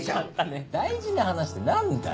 大事な話って何だよ？